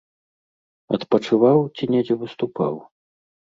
Адпачываў ці недзе выступаў?